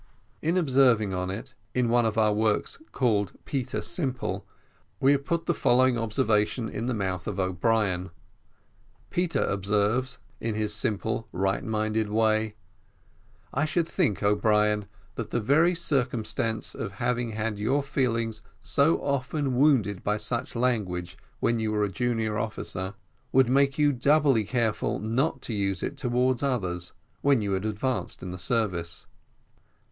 In observing on it, in one of our works, called Peter Simple, we have put the following true observation in the mouth of O'Brien. Peter observes, in his simple, right minded way: "I should think, O'Brien, that the very circumstance of having had your feelings so often wounded by such language when you were a junior officer would make you doubly careful not to use it towards others, when you had advanced in the service?"